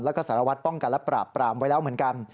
แล้วก็สารวัตรป้องกันและปราบปรามไว้แล้วเหมือนกัน